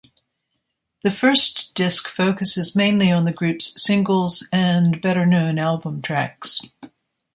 The first disc focuses mainly on the group's singles and better-known album tracks.